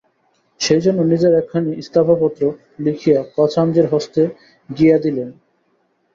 সেইজন্য নিজের একখানি ইস্তফাফত্র লিখিয়া খজাঞ্চির হস্তে গিয়া দিলেন।